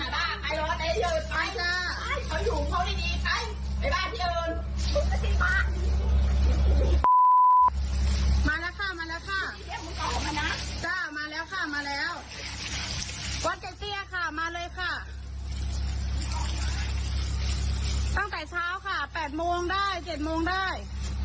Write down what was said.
ตั้งแต่เช้าค่ะ๘โมงได้๗โมงได้